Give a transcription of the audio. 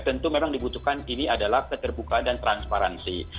tentu memang dibutuhkan ini adalah keterbukaan dan transparansi